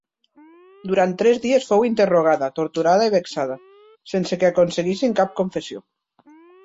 Durant tres dies fou interrogada, torturada i vexada, sense que aconseguissin cap confessió.